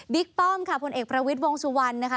บิ๊กป้อมค่ะพลเอกประวิทวงศุวรรณนะคะ